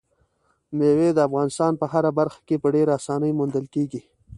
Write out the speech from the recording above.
مېوې د افغانستان په هره برخه کې په ډېرې اسانۍ موندل کېږي.